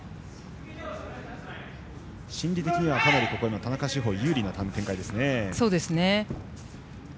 心理的にはかなり田中志歩が有利な展開ですね。